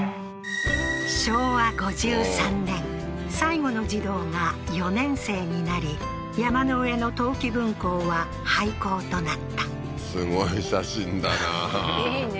昭和５３年最後の児童が４年生になり山の上の冬季分校は廃校となったすごい写真だないいね